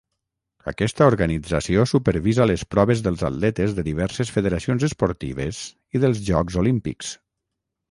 Aquesta organització supervisa les proves dels atletes de diverses federacions esportives i dels Jocs Olímpics.